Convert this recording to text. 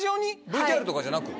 ＶＴＲとかじゃなく？